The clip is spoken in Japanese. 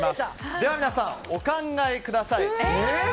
では皆さん、お考えください。